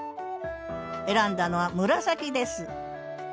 選んだのは紫です